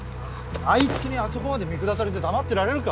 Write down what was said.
あいつにあそこまで見下されて黙ってられるか。